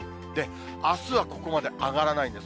あすはここまで上がらないんです。